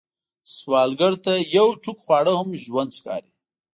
سوالګر ته یو ټوقی خواړه هم ژوند ښکاري